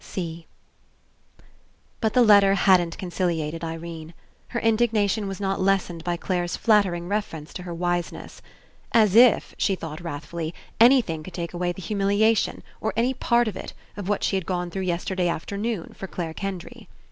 c. But the letter hadn't conciliated Irene. Her Indignation was not lessened by Clare's flattering reference to her wiseness. As if, she 82 ENCOUNTER thought wrathfully, anything could take away the humiliation, or any part of it, of what she had gone through yesterday afternoon for Clare Kendry.